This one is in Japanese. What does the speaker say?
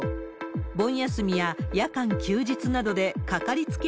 盆休みや夜間、休日などで掛かりつけ